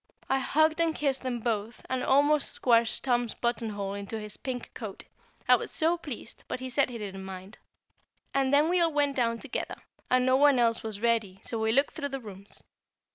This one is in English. I hugged and kissed them both, and almost squashed Tom's buttonhole into his pink coat, I was so pleased, but he said he didn't mind; and then we all went down together, and no one else was ready, so we looked through the rooms.